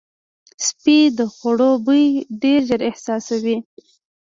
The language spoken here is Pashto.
سپي د خوړو بوی ډېر ژر احساسوي.